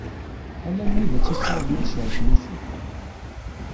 Alammi d ass i ssawḍen ad cerken ussu.